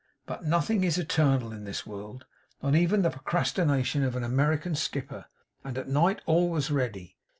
But nothing is eternal in this world; not even the procrastination of an American skipper; and at night all was ready.